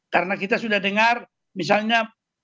karena kita sudah dengar misalnya